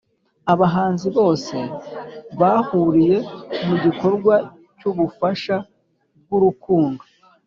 Abahanzi bose bahuriye mu gikorwa cy’ubufasha bw’urukundo